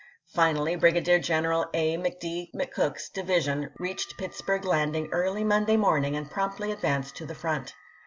Finally Brigadier General A. McD. McCook's division reached Pittsburg Landing early Monday morning and promptly ad vanced to the front.